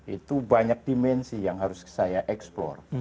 itu banyak dimensi yang harus saya eksplor